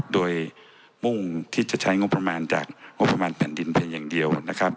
โดยมุ่งที่จะใช้งบประมาณจากงบประมาณแผ่นดินเพียงอย่างเดียวนะครับ